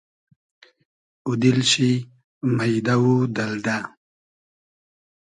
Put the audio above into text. اوو دیل شی مݷدۂ و دئلدۂ